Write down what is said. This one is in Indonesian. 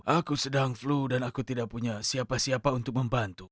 aku sedang flu dan aku tidak punya siapa siapa untuk membantu